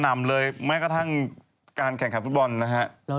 นำเลยแม้กระทั่งการแข่งขันฟุตบอลนะฮะ